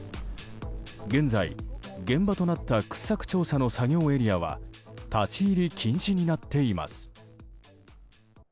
現在、現場となった掘削調査の作業エリアは立ち入り禁止になっています。